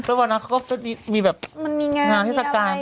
แล้ววันนั้นเขาก็จะมีแบบมันมีงานที่สักการณ์ต่างเนอะ